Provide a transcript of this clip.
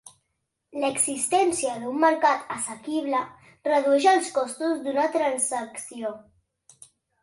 L'existència d'un mercat assequible redueix els costos d'una transacció.